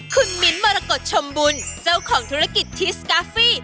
คุณมิ้นท์มรกฏชมบุญเจ้าของธุรกิจทิสกาฟี่